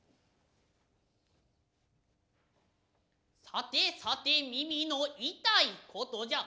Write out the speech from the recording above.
さてさて耳の痛い事じゃ。